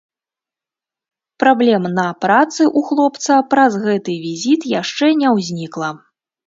Праблем на працы ў хлопца праз гэты візіт яшчэ не ўзнікла.